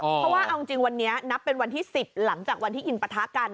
เพราะว่าเอาจริงวันนี้นับเป็นวันที่๑๐หลังจากวันที่อินปะทะกัน